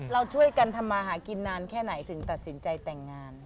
เราช่วยกันทำมาหากินนานแค่ไหนถึงตัดสินใจแต่งงาน